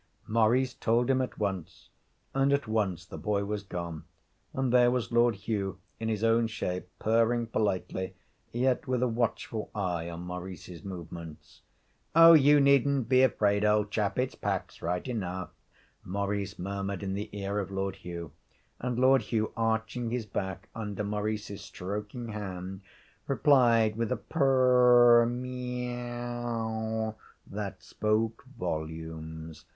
Maurice told him at once. And at once the boy was gone, and there was Lord Hugh in his own shape, purring politely, yet with a watchful eye on Maurice's movements. 'Oh, you needn't be afraid, old chap. It's Pax right enough,' Maurice murmured in the ear of Lord Hugh. And Lord Hugh, arching his back under Maurice's stroking hand, replied with a purrrr meaow that spoke volumes.